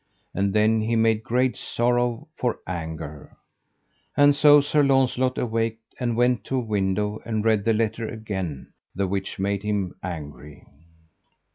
And then he made great sorrow for anger. And so Sir Launcelot awaked, and went to a window, and read the letter again, the which made him angry.